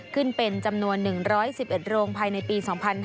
ขึ้นเป็นจำนวน๑๑๑โรงภายในปี๒๕๕๙